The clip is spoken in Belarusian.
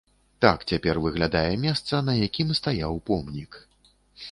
Так цяпер выглядае месца, на якім стаяў помнік.